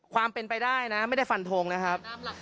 ความเป็นไปได้นะไม่ได้ฟันทงนะครับ